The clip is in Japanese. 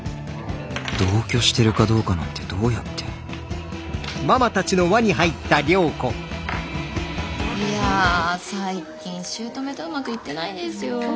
同居してるかどうかなんてどうやっていや最近姑とうまくいってないんですよ。